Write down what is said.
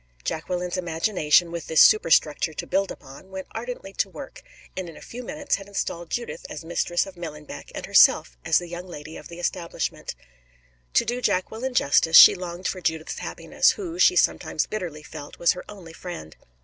Jacqueline's imagination, with this superstructure to build upon, went ardently to work, and in a few minutes had installed Judith as mistress of Millenbeck, and herself as the young lady of the establishment. To do Jacqueline justice, she longed for Judith's happiness, who, she sometimes bitterly felt, was her only friend.